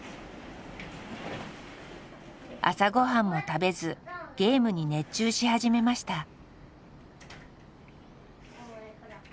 朝ごはんも食べずゲームに熱中し始めました。